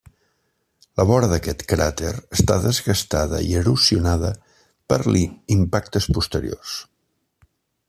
La vora d'aquest cràter està desgastada i erosionada per impactes posteriors.